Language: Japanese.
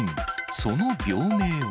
その病名は？